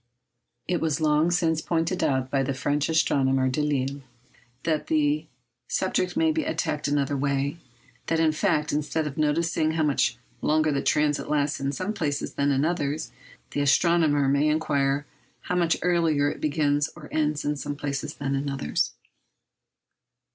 It was long since pointed out by the French astronomer Delisle that the subject may be attacked another way—that, in fact, instead of noticing how much longer the transit lasts in some places than in others, the astronomer may inquire how much earlier it begins or ends in some places than in others.